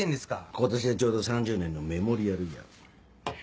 今年でちょうど３０年のメモリアルイヤー。